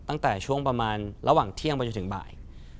ตั้งแต่ช่วงประมาณระหว่างเที่ยงไปจนถึงบ่าย